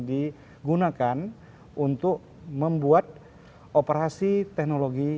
digunakan untuk membuat operasi teknologi